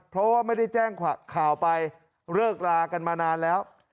เพราะว่าไม่ได้แจ้งข่าวไปเลิกลากันมานานแล้ว